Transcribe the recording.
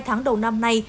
hai tháng đầu năm nay